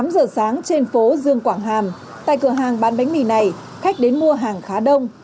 tám giờ sáng trên phố dương quảng hàm tại cửa hàng bán bánh mì này khách đến mua hàng khá đông